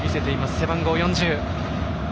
背番号４０。